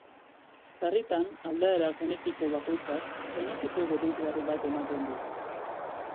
Sarritan, aldaera genetiko bakoitzak fenotipo bereizgarri bat ematen du.